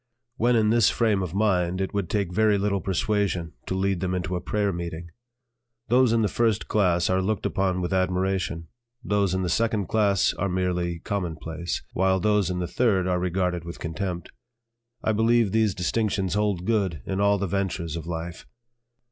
When in this frame of mind it would take very little persuasion to lead them into a prayer meeting. Those in the first class are looked upon with admiration; those in the second class are merely commonplace; while those in the third are regarded with contempt. I believe these distinctions hold good in all the ventures of life.